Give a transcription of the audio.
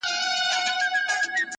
د خپل يار له وينو څوك ايږدي خالونه!!